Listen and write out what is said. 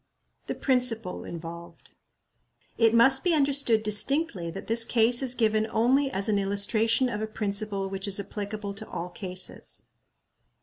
The Principle involved. It must be understood distinctly that this case is given only as an illustration of a principle which is applicable to all cases.